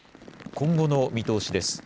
今後の見通しです。